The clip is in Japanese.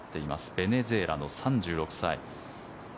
ベネズエラの３６歳。